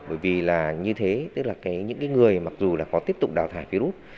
bởi vì là như thế tức là những người mặc dù là có tiếp tục đào thải virus